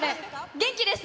元気です。